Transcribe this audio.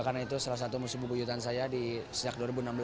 karena itu salah satu musibubujutan saya di sejak dua ribu enam belas